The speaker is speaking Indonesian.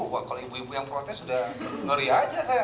wah kalau ibu ibu yang protes sudah ngeri aja